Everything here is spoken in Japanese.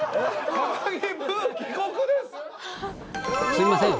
すいません。